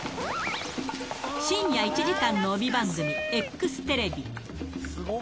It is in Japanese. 深夜１時間の帯番組、ＥＸテレビ。